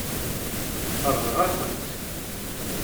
Sseṛɣeɣ-aken-tt.